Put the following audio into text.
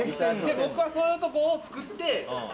僕はそういうところを作って。